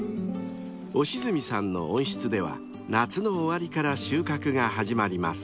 ［印貢さんの温室では夏の終わりから収穫が始まります］